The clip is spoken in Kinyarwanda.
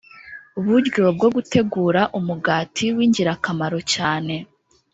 buryo bwo gutegura umugati wingirakamaro cyane …